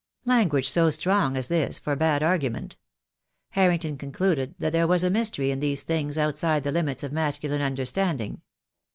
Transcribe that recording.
Language so strong as this forbade argument. Har rington concluded that there was a mystery in these things outside the limits of masculine understanding.